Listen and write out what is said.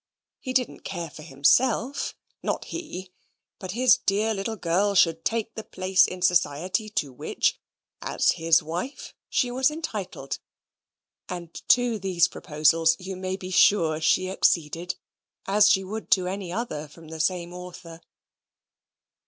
He didn't care for himself not he; but his dear little girl should take the place in society to which, as his wife, she was entitled: and to these proposals you may be sure she acceded, as she would to any other from the same author.